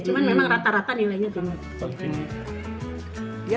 cuma memang rata rata nilainya